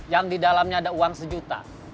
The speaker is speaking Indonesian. yang di dalamnya ada uang sejuta